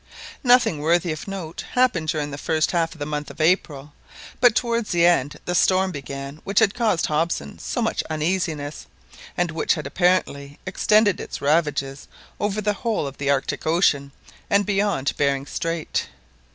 Nothing worthy of note happened during the first half of the month of April; but towards the end the storm began which had caused Hobson so much uneasiness, and which had apparently extended its ravages over the whole of the Arctic Ocean and beyond Behring Strait.